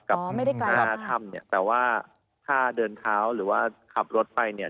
เวลาทำเนี่ยแต่ว่าถ้าเดินเท้าหรือว่าขับรถไปเนี่ย